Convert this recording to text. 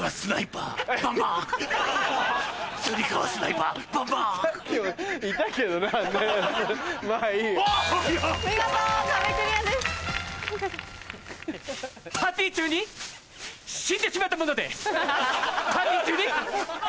パーティー中に死んでしまった者です。